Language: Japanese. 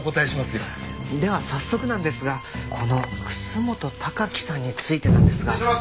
では早速なんですがこの楠本貴喜さんについてなんですが。失礼します。